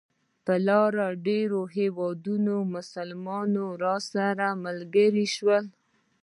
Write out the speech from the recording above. پر لاره د ډېرو هېوادونو مسلمانان راسره ملګري شول.